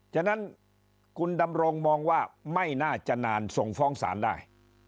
ฉะนั้นคุณดำรงมองว่าไม่น่าจะนานส่งฟ้องศาลได้